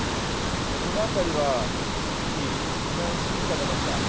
この辺りは一時避難指示が出ました。